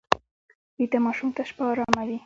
ویده ماشوم ته شپه ارامه وي